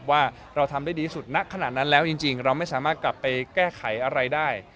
ว่าเราทำได้ดีสุดณขณะนั้นแล้วจริงเราไม่สามารถกลับไปแก้ไขอะไรได้